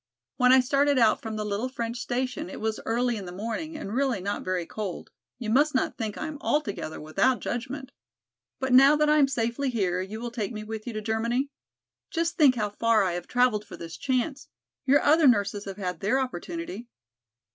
When I started out from the little French station it was early in the morning and really not very cold; you must not think I am altogether without judgment. But now that I am safely here, you will take me with you to Germany? Just think how far I have traveled for this chance! Your other nurses have had their opportunity."